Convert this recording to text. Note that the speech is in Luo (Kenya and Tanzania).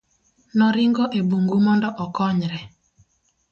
noringo e bungu mondo okonyre